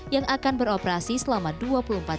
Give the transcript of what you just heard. yang akan beroperasi selama dua bulan